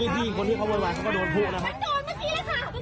เมื่อกี้คนที่เขาเวลาวานเขาก็โดนผู้นะครับ